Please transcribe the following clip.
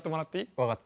わかった。